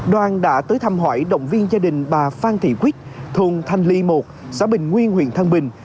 đoàn đã tới thăm hỏi động viên gia đình bà phan thị quyết thôn thanh ly một xã bình nguyên huyện thăng bình